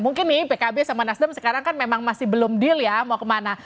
mungkin nih pkb sama nasdem sekarang kan memang masih belum deal ya mau kemana